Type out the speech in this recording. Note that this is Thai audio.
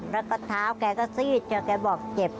แล้วก็เท้าแกก็ซีดจนแกบอกเจ็บ